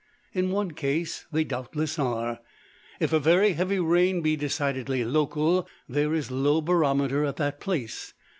In one case they doubtless are. If a very heavy rain be decidedly local, there is low barometer at that place.